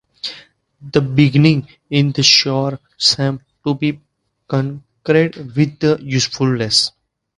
The beginning of the sura seems to be concerned with truthfulness.